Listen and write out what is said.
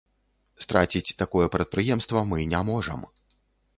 Страціць такое прадпрыемства мы не можам.